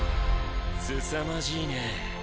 すさまじいね。